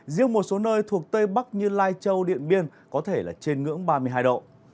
riêng một số nơi thuộc tây bắc như lai châu điện biên có thể là trên ngưỡng ba mươi hai độ